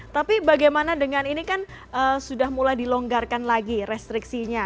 tapi bagaimana dengan ini kan sudah mulai dilonggarkan lagi restriksinya